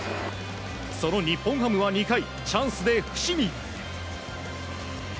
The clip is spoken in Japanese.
その日本ハムは２回チャンスで伏見。